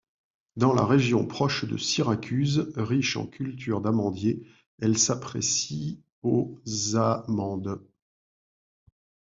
Dans la région proche de Syracuse, riche en cultures d'amandiers, elle s’apprécie aux amandes.